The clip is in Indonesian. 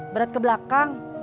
berat ke belakang